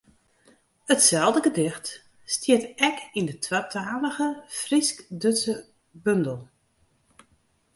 Itselde gedicht stiet ek yn de twatalige Frysk-Dútske bondel.